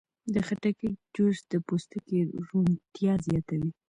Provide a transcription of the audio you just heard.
د خټکي جوس د پوستکي روڼتیا زیاتوي.